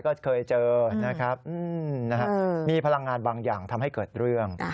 ก็เคยเจอนะครับมีพลังงานบางอย่างทำให้เกิดเรื่อง